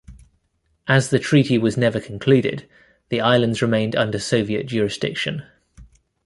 As the treaty was never concluded, the islands remained under Soviet jurisdiction.